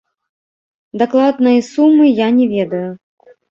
Дакладнай сумы я не ведаю.